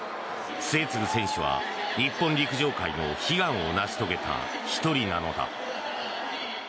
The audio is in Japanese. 末續選手は日本陸上界の悲願を成し遂げた１人なのだ。